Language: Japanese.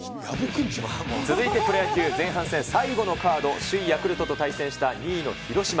続いてプロ野球、前半戦最後のカード、首位ヤクルトと対戦した２位の広島。